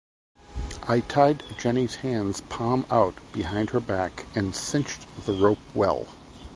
I tied Jenny's hands palms out behind her back and cinched the rope well.